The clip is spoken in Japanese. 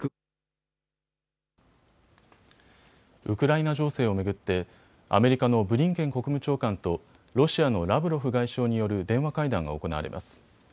ウクライナ情勢を巡ってアメリカのブリンケン国務長官とロシアのラブロフ外相による電話会談が行われます。